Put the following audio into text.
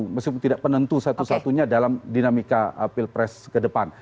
meskipun tidak penentu satu satunya dalam dinamika pilpres ke depan